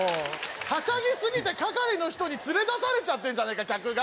はしゃぎ過ぎて係の人に連れ出されてるじゃねえか客が。